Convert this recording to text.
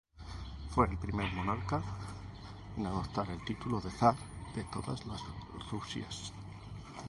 Fue el primer monarca en adoptar el título de "Zar de todas las Rusias".